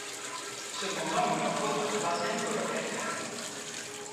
Cependant il leur faut un troisième colocataire.